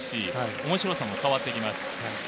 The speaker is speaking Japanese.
面白さも変わってきます。